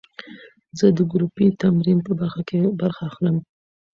زه د ګروپي تمرین په برخه کې برخه اخلم.